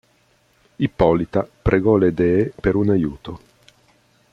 Ippolita pregò le dee per un aiuto.